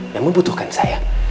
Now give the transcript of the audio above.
yang membutuhkan saya